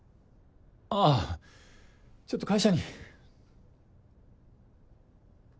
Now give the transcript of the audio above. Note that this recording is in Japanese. ああちょっと会社に。